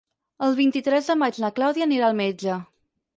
El vint-i-tres de maig na Clàudia anirà al metge.